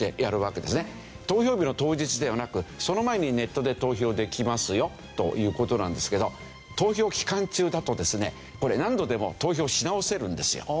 投票日の当日ではなくその前にネットで投票できますよという事なんですけど投票期間中だとですねこれ何度でも投票し直せるんですよ。